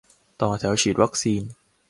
ต่อแถวฉีดวัคซีน